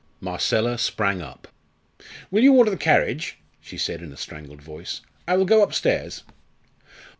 Marcella sprang up. "Will you order the carriage?" she said in a strangled voice. "I will go upstairs."